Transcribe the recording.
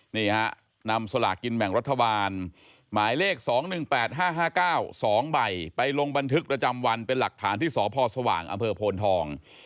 นี่ฮะนำสลากกินแม่งรรธวานหมายเลขสองหนึ่งแปดห้าห้าเก้าสองใบไปลงบันทึกระจำวันเป็นหลักฐานที่สพสว่างอำเภอโพนทอง